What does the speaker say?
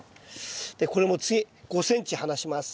でこれも次５ｃｍ離します。